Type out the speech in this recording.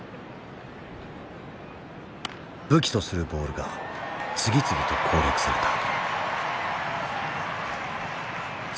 武器とするボールが次々と攻略された。